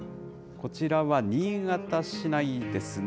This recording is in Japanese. こちらは新潟市内ですね。